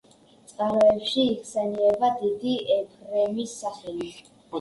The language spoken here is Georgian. წყაროებში იხსენიება „დიდი ეფრემის“ სახელით.